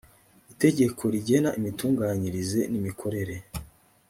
itegeko rigena imitunganyirize n imikorere